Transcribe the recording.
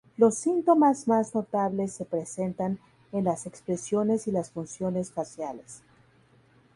Los síntomas más notables se presentan en las expresiones y las funciones faciales.